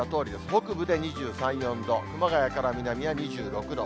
北部で２３、４度、熊谷から南は２６度。